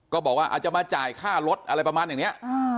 ก็บอกว่าอาจจะมาจ่าค่ารถอะไรประมาณแบบนี้